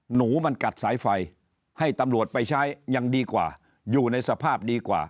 หนูมันกัดสายไฟให้ตำรวจไปใช้ยังดีกว่าอยู่ในสภาพดีกว่า